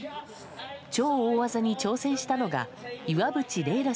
超大技に挑戦したのが岩渕麗